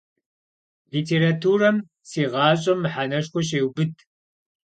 Литературэм си гъащӏэм мэхьэнэшхуэ щеубыд.